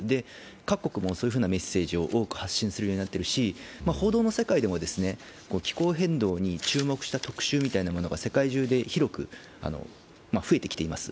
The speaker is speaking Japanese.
各国もそういうふうなメッセージを発するようになっていますし報道の世界でも気候変動に注目した特集みたいなものが世界中で広く増えてきています。